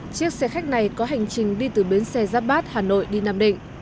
chiếc xe khách này có hành trình đi từ bến xe giáp bát hà nội đi nam định